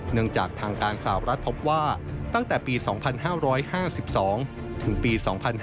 จากทางการสาวรัฐพบว่าตั้งแต่ปี๒๕๕๒ถึงปี๒๕๕๙